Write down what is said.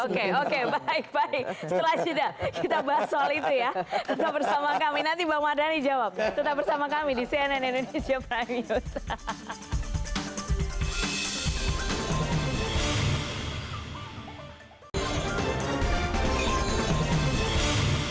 oke oke baik baik setelah jeda kita bahas soal itu ya tetap bersama kami nanti bang mardhani jawab tetap bersama kami di cnn indonesia prime news